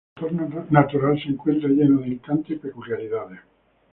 Su entorno natural se encuentra lleno de encanto y peculiaridades.